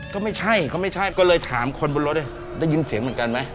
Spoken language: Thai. ก็ไม่ใช่ก็ไม่ใช่ก็เลยถามคนบนรถได้ยินเสียงเหมือนกันไหม